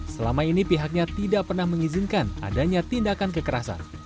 selama ini pihaknya tidak pernah mengizinkan adanya tindakan kekerasan